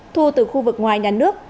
thu từ khu vực ngoài nhà nước